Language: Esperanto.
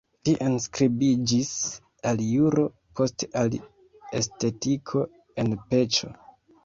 Li enskribiĝis al juro, poste al estetiko en Peĉo.